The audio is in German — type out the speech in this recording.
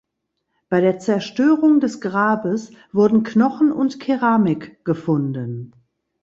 Bei der Zerstörung des Grabes wurden Knochen und Keramik gefunden.